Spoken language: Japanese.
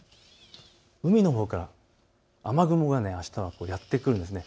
海のほうから雨雲があしたはやって来るんです。